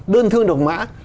đơn thương độc mã